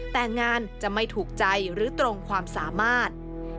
แต่งานจะไม่ถูกใจหรือตรงความสามารถ